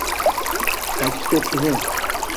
Endi yer taqsimotida adolat bo‘ladi